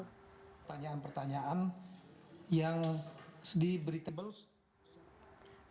tanyaan pertanyaan yang sedih berita